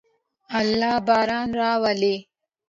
الله باران راولي.